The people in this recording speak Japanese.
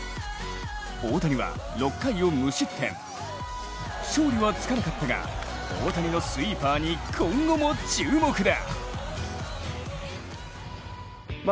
大谷は６回を無失点、勝利はつかなかったが、大谷のスイーパーに今後も注目だ。